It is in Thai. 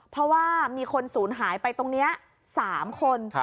เพราะว่ามีคนศูนย์หายไปตรงนี้๓คน